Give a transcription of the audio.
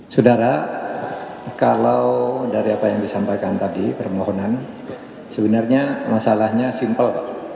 saudara kalau dari apa yang disampaikan tadi permohonan sebenarnya masalahnya simpel